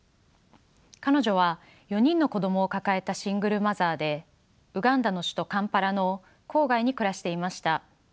彼女は４人の子供を抱えたシングルマザーでウガンダの首都カンパラの郊外に暮らしていました。